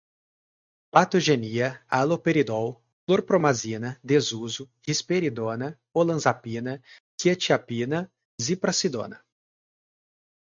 patogenia, haloperidol, clorpromazina, desuso, risperidona, olanzapina, quetiapina, ziprasidona